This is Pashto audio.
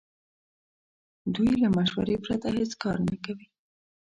دوی له مشورې پرته هیڅ کار نه کوي.